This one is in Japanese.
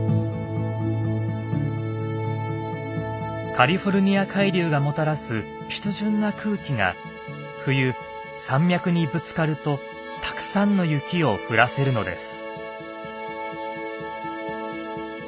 カリフォルニア海流がもたらす湿潤な空気が冬山脈にぶつかるとたくさんの雪を降らせるのです。